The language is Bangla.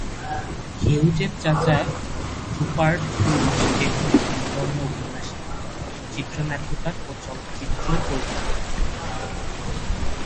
হিউজের চাচা রুপার্ট হিউজ একজন স্বনামধন্য ঔপন্যাসিক, চিত্রনাট্যকার ও চলচ্চিত্র পরিচালক।